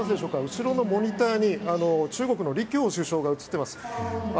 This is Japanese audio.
後ろのモニターに中国の李強首相が映ってます。